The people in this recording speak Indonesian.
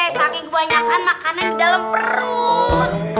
saking kebanyakan makannya di dalam perut